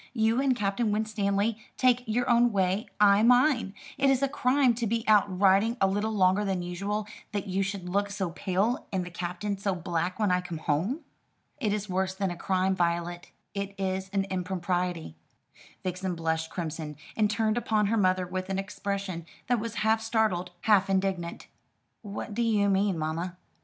You and Captain Winstanley take your own way, I mine. Is it a crime to be out riding a little longer than usual, that you should look so pale and the Captain so black when I come home?" "It is worse than a crime, Violet; it is an impropriety." Vixen blushed crimson, and turned upon her mother with an expression that was half startled, half indignant. "What do you mean, mamma?"